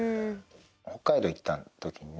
北海道行った時にね。